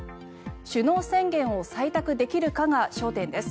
首脳宣言を採択できるかが焦点です。